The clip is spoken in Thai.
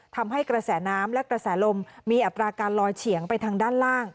ทำให้กระแสน้ำและกระแสลมมีอัตราการลอยเฉียงไปทางด้านล่าง